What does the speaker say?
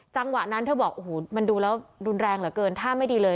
จังหวะนั้นเธอบอกโอ้โหมันดูแล้วรุนแรงเหลือเกินท่าไม่ดีเลย